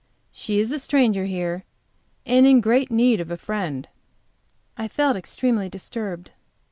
"She is a stranger here, and in great need of a friend." I felt extremely disturbed.